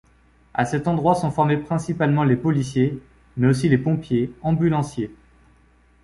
À cet endroit sont formés principalement les policiers mais aussi les pompiers, ambulanciers...